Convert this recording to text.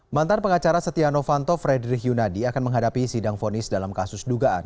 mantan pengacara setia novanto frederick yunadi akan menghadapi sidang fonis dalam kasus dugaan